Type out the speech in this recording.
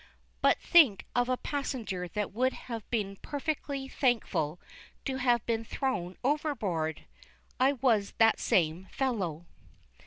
But think of a passenger that would have been perfectly thankful to have been thrown overboard! I was that same fellow.